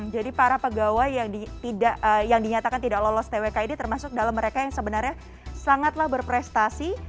jadi para pegawai yang dinyatakan tidak lolos twk ini termasuk dalam mereka yang sebenarnya sangatlah berprestasi